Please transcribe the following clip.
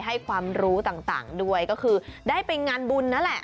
ให้ความรู้ต่างด้วยก็คือได้ไปงานบุญนั่นแหละ